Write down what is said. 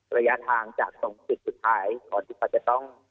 ระยะทางจากตรงตึกตัวถ่ายก่อนที่โป้งจะต้อง